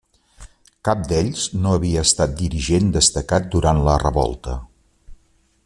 Cap d'ells no havia estat dirigent destacat durant la revolta.